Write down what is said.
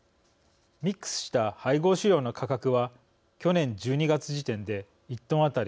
ミックスした配合飼料の価格は去年１２月時点で１トン当たり